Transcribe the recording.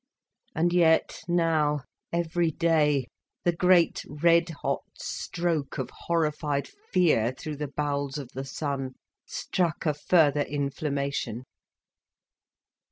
And yet, now, every day, the great red hot stroke of horrified fear through the bowels of the son struck a further inflammation.